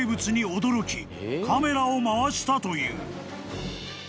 ［カメラを回したという］